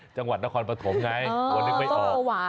จังหวัดนครปฐมไงกลัวนึกไม่ออก